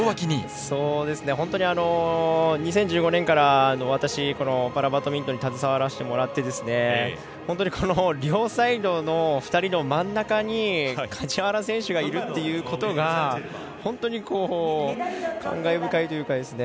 本当に、２０１５年から私、パラバドミントンに携わらせてもらって、本当に両サイドの２人の真ん中に梶原選手がいるということが本当に、感慨深いというか。